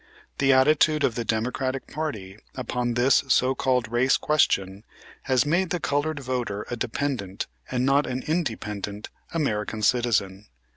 The attitude of the Democratic party upon this so called race question has made the colored voter a dependent, and not an independent, American citizen.